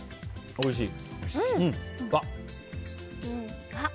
おいしい。